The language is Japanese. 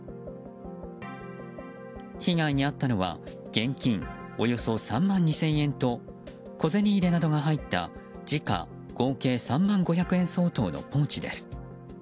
被害に遭ったのは現金およそ３万２０００円と小銭入れなどが入った時価合計３万５００円相当のポーチです。